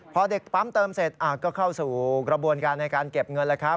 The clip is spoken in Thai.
พอเด็กปั๊มเติมเสร็จก็เข้าสู่กระบวนการในการเก็บเงินแล้วครับ